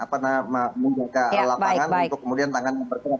menjaga lapangan untuk kemudian tangannya bergerak